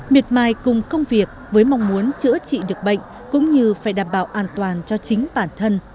miệt mài cùng công việc với mong muốn chữa trị được bệnh cũng như phải đảm bảo an toàn cho chính bản thân